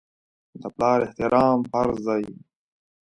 د پلار احترام فرض دی.